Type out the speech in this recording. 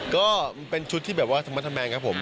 ก็เป็นชุดที่แบบว่าธรรมแมงครับผม